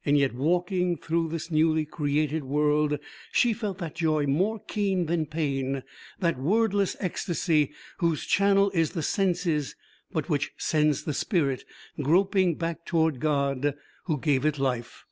Yet walking through this newly created world, she felt that joy more keen than pain that wordless ecstasy whose channel is the senses, but which sends the spirit groping back toward God who gave it life.